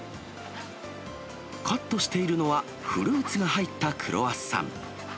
カットしているのは、フルーツが入ったクロワッサン。